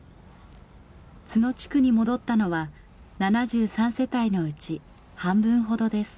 津野地区に戻ったのは７３世帯のうち半分ほどです。